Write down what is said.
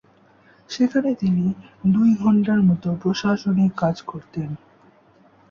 সেখানে তিনি দুই ঘণ্টার মত প্রশাসনিক কাজ করতেন।